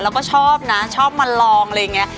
แล้วก็ชอบนะชอบมาลองอะไรอย่างนี้